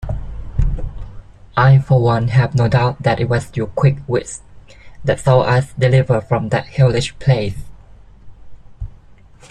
I for one have no doubt that it was your quick wits that saw us delivered from that hellish place.